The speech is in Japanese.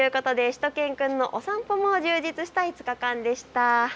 しゅと犬くんのお散歩も充実した５日間でした。